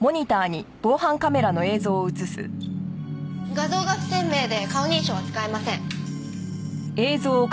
画像が不鮮明で顔認証は使えません。